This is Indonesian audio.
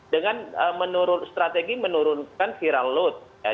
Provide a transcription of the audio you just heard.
dengan menurut strategi menurunkan viral load ya